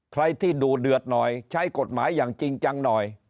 ใครที่ดูเดือดหน่อยใช้กฎหมายอย่างจริงจังหน่อย